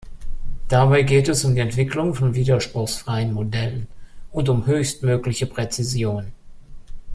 Dabei geht es um die Entwicklung von widerspruchsfreien Modellen und um höchstmögliche Präzision.